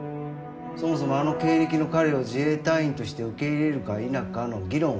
そもそもあの経歴の彼を自衛隊員として受け入れるか否かの議論はあった。